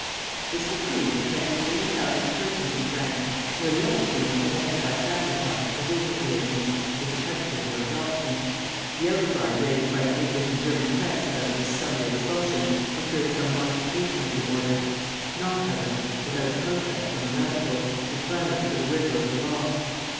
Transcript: This decree affected eighty thousand persons in France, nearly all of whom were connected by family ties or business relations with the country of their adoption. The outcry raised by the English and German Press about this summary expulsion procured some modification of the order, not, however, without a protest from the radicals, who clamored for the rigor of the law.